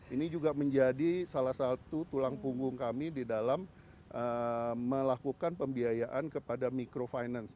ini juga menjadi salah satu tulang punggung kami di dalam melakukan pembiayaan kepada mikrofinance